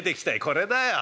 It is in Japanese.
これだよ。